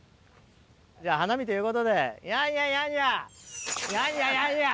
じゃあ花見ということでやんややんや！